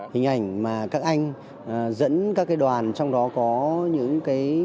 hình ảnh mà các anh dẫn các cái đoàn trong đó có những cái